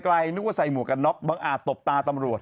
นึกว่าใส่หมวกกันน็อกบางอาจตบตาตำรวจ